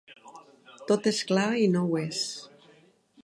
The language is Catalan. Tot és clar i no ho és.